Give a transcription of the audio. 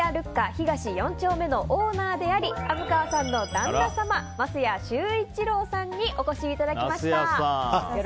東４丁目のオーナーであり虻川さんの旦那様桝谷周一郎さんにお越しいただきました。